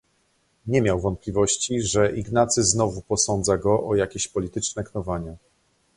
"Nie miał wątpliwości, że Ignacy znowu posądza go o jakieś polityczne knowania."